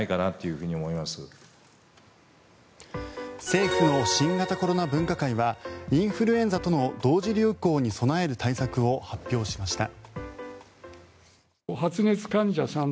政府の新型コロナ分科会はインフルエンザとの同時流行に備える対策を発表しました。